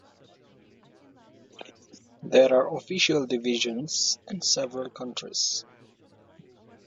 There are official divisions in several countries.